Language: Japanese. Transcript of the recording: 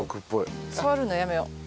触るのやめよう。